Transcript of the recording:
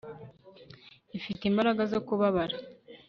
Ifite imbaraga zo kubabara